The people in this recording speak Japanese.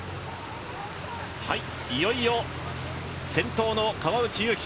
いよいよ先頭の川内優輝